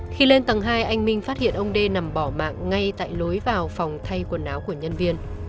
khi lên tầng hai anh minh phát hiện ông đê nằm bỏ mạng ngay tại lối vào phòng thay quần áo của nhân viên